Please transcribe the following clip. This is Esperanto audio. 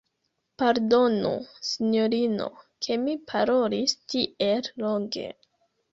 Pardonu, sinjorino, ke mi parolis tiel longe.